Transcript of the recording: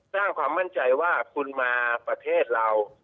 สร้างความมั่นใจว่าคุณมาประเทศเรา